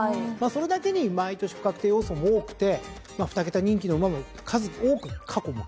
それだけに毎年不確定要素も多くて２桁人気の馬も数多く過去もきています。